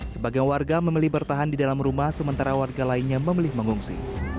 sebagian warga memilih bertahan di dalam rumah sementara warga lainnya memilih mengungsi